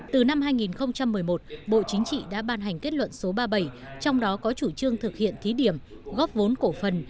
từ năm hai nghìn một mươi một bộ chính trị đã ban hành kết luận số ba mươi bảy trong đó có chủ trương thực hiện thí điểm góp vốn cổ phần